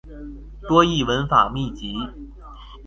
多益文法秘笈